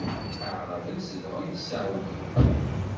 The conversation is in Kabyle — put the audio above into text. Aɛṛaben zedɣen Saɛudya.